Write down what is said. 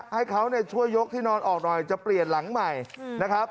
ให้เขาช่วยยกที่นอนออกหน่อยจะเปลี่ยนหลังใหม่นะครับ